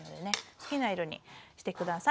好きな色にして下さい。